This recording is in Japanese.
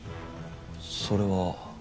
それは。